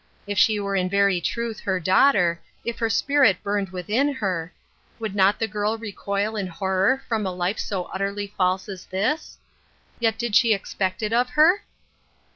If she were in very truth her daughter, if her spirit burned within her, would not the girl recoil in horror from a life so utterly false as this ? Yet did she expect it of her